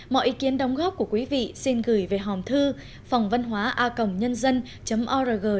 mọi ý kiến đóng góp của quý vị xin gửi về hòm thư phòngvânhoaacổngnhân dân org vn hoặc qua số điện thoại bốn mươi ba hai trăm sáu mươi sáu chín nghìn năm trăm linh tám